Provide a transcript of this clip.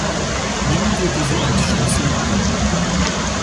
Nehmen wir diese Entschließung an.